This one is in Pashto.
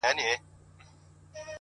• هسي نه چي یې خیرن ښکلي کالي سي ,